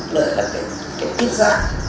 lợi là cái kết giác